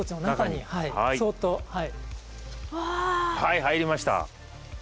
はい入りました。